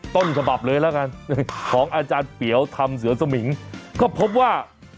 ต้นฉบับเลยแล้วกันของอาจารย์เปี๋วทำเสือสมิงก็พบว่า